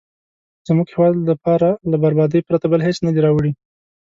زموږ هیواد لپاره له بربادۍ پرته بل هېڅ نه دي راوړي.